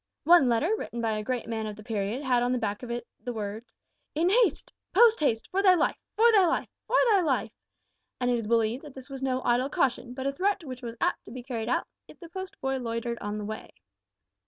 One letter, written by a great man of the period, had on the back of it the words, `In haste; post haste, for thy life, for thy life, for thy life;' and it is believed that this was no idle caution, but a threat which was apt to be carried out if the post boy loitered on the way."